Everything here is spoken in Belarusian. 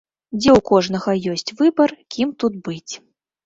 Дзе ў кожнага ёсць выбар кім тут быць.